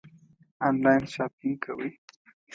آنلاین شاپنګ کوئ؟